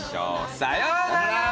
さようなら。